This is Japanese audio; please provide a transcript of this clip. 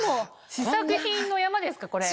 試作品の山ですかこれ。